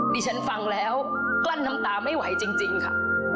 นี่ฉันฟังแล้วกลั้นตามไม่ไหวจริงค่ะ